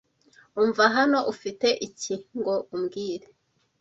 Umva hano! ufite iki ngo umbwire?